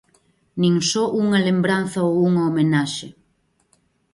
Nin só unha lembranza ou unha homenaxe.